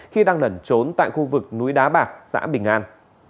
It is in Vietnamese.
khi đang lẩn trốn tại khu vực núi đá bạc xã bình an